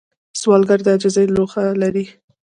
سوالګر د عاجزۍ لوښه لري